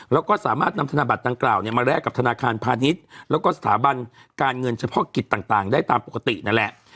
แล้วก็สามารถนำธนบัตรดังกล่าวเนี่ยมาแลกกับธนาคารพาณิชย์แล้วก็สถาบันการเงินเฉพาะกิจต่างได้ตามปกตินั่นแหละ